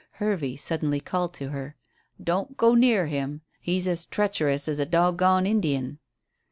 Hervey suddenly called to her. "Don't go near him. He's as treacherous as a dogone Indian."